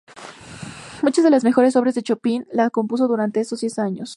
Muchas de las mejores obras de Chopin las compuso durante esos diez años.